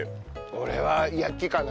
俺は焼きかな。